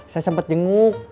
saya sempat jenguk